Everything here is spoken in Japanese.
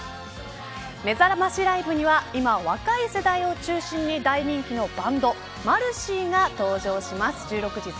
めざましライブには今若い世代を中心に大人気のバンドマルシィが登場します。